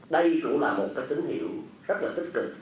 đây cũng là một tín hiệu rất tích cực